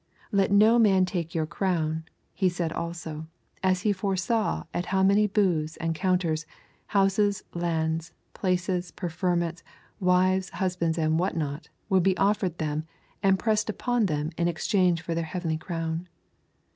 'Let no man take your crown,' he said also, as he foresaw at how many booths and counters, houses, lands, places, preferments, wives, husbands, and what not, would be offered them and pressed upon them in exchange for their heavenly crown.